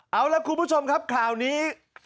เอาล่ะคุณผู้ชมครับข่าวนี้